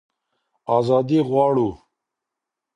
ازادي غواړو.